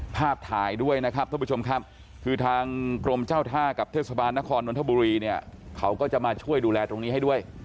ถ่ายด้วยนะครับท่านผู้ชมครับคือทางกรมเจ้าท่ากับเทศบาลนครนนทบุรีเนี่ยเขาก็จะมาช่วยดูแลตรงนี้ให้ด้วย